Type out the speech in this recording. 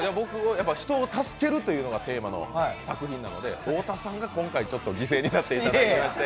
人を助けるというのがテーマの作品なので今回、太田さんが犠牲になっていただきまして。